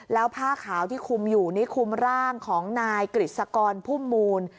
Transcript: แล้วผ้าขาวที่คุมอยู่นี่คุมร่างของนายกฤษกรพุ่มมูล